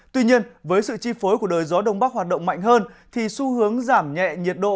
tuy nhiên với sự chi phối của đời gió đông bắc hoạt động mạnh hơn thì xu hướng giảm nhẹ nhiệt độ